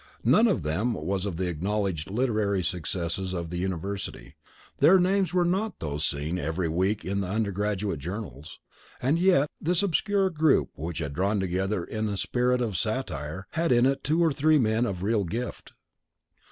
None of them was of the acknowledged literary successes of the university: their names were not those seen every week in the undergraduate journals. And yet this obscure group, which had drawn together in a spirit of satire, had in it two or three men of real gift.